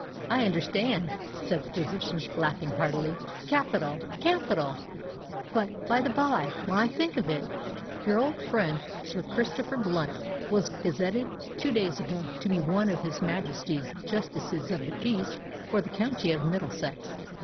"I understand," said the physician, laughing heartily. "Capital! capital! But, by the bye,—when I think of it—your old friend Sir Christopher Blunt was gazetted two days ago to be one of his Majesty's Justices of the Peace for the County of Middlesex.